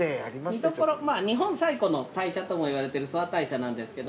日本最古の大社ともいわれてる諏訪大社なんですけども。